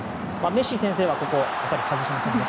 メッシ先生は外しませんね。